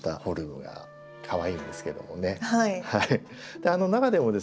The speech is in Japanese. はい。